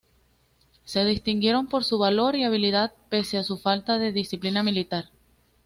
Se distinguieron por su valor y habilidad pese a su falta de disciplina militar.